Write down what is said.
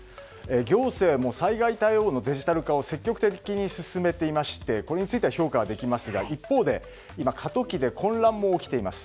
行政も災害対応のデジタル化を積極的に進めていましてこれについては評価できますが一方で過渡期で混乱も起きています。